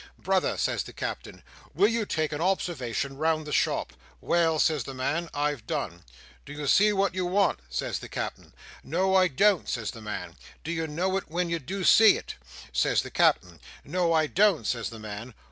'Brother,' says the Cap'en, 'will you take a observation round the shop.' 'Well,' says the man, 'I've done.' 'Do you see wot you want?' says the Cap'en 'No, I don't,' says the man. 'Do you know it wen you do see it?' says the Cap'en. 'No, I don't,' says the man.